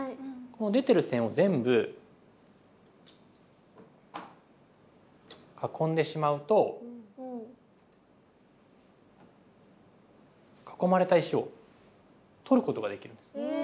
この出てる線を全部囲んでしまうと囲まれた石を取ることができるんです。